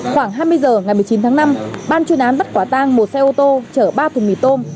khoảng hai mươi h ngày một mươi chín tháng năm ban chuyên án bắt quả tang một xe ô tô chở ba thùng mì tôm